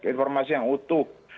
informasi yang utuh